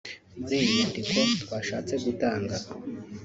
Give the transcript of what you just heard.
muri iyi nyandiko twashatse gutanga